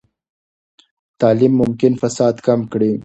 تعلیم ممکن فساد کم کړي.